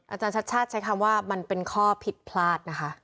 อาจารย์ชัดชาติใช้คำว่ามันเป็นข้อผิดพลาดนะคะ